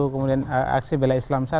kemudian aksi bela islam